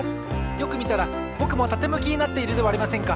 よくみたらぼくもたてむきになっているではありませんか！